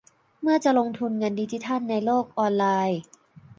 เมื่อจะลงทุนเงินดิจิทัลในโลกออนไลน์